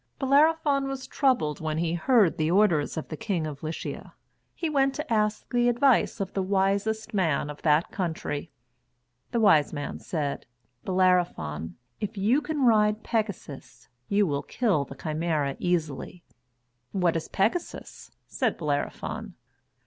Bellerophon was troubled when he heard the orders of the King of Lycia. He went to ask the advice of the wisest man of that country. The wise man said: "Bellerophon, if you can ride Pegasus, you will kill the Chimæra easily." "What is Pegasus?" said Bellerophon.